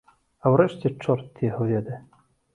А ўрэшце, чорт яго ведае!